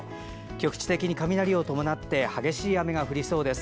局地的に雷を伴って激しい雨が降りそうです。